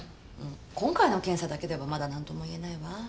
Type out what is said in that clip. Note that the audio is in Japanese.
今回の検査だけではまだ何とも言えないわ。